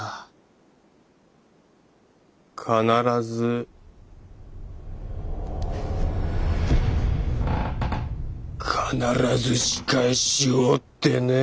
「必ず必ず仕返しを」ってねえ！